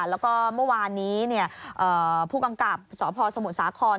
แล้วก็เมื่อวานนี้ผู้กำกับสพสมุทรสาคร